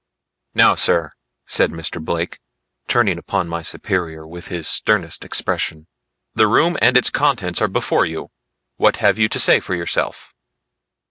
"Now sir," said Mr. Blake, turning upon my superior with his sternest expression, "the room and its contents are before you; what have you to say for yourself."